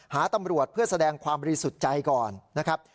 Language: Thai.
หาตำรวจเพื่อแสดงความบริสุทธิ์ใจก่อนนะครับ